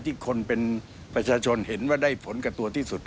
ที่คนเป็นประชาชนเห็นว่าได้ผลกับตัวที่สุด